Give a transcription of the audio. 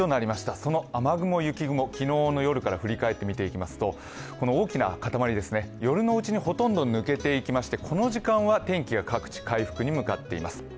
その雨雲、雪雲昨日の夜から振り返って見ていきますと大きな塊、夜のうちにほとんど抜けていきまして、この時間は天気が各地、回復に向かっています。